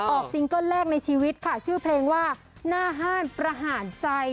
ซิงเกิ้ลแรกในชีวิตค่ะชื่อเพลงว่าหน้าห้านประหารใจ